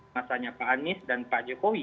masanya pak anies dan pak jokowi